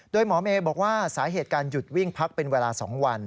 โดยหมอเมย์บอกว่าสาเหตุการหยุดวิ่งพักเป็นเวลา๒วัน